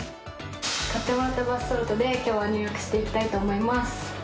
買ってもらったバスソルトで今日は入浴していきたいと思います。